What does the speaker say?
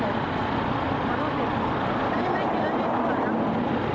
บุรีไฟฟ้าอีก